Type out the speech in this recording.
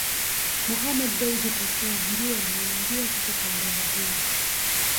Mohammed Dewji pekee ndiye aliyeingia katika orodha hiyo